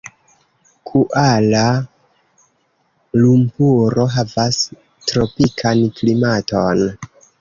Kuala-Lumpuro havas tropikan klimaton.